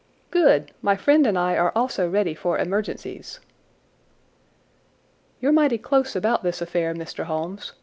"Good! My friend and I are also ready for emergencies." "You're mighty close about this affair, Mr. Holmes.